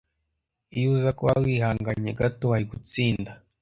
Iyo uza kuba wihanganye gato, wari gutsinda.